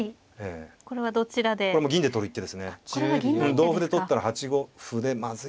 同歩で取ったら８五歩でまずい